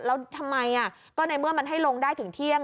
แล้วทำไมก็ในเมื่อมันให้ลงได้ถึงเที่ยง